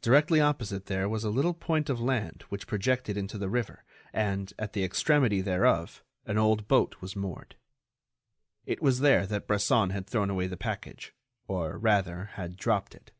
Directly opposite there was a little point of land which projected into the river and, at the extremity thereof, an old boat was moored. It was there that Bresson had thrown away the package, or, rather, had dropped it.